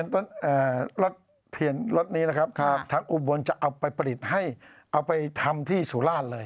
รถเทียนรถนี้นะครับทางอุบลจะเอาไปผลิตให้เอาไปทำที่สุราชเลย